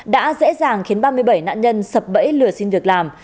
đã dễ dàng khiến ba mươi bảy nạn nhân sập bẫy lừa xin việc làm